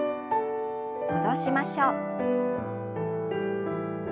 戻しましょう。